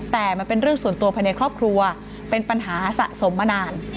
แต่มันเป็นเรื่องส่วนตัวภายในครอบครัวเป็นปัญหาสะสมมานาน